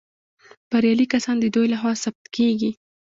بریالي کسان د دوی لخوا ثبت کیږي.